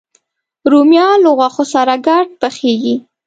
رومیان له غوښو سره ګډ پخېږي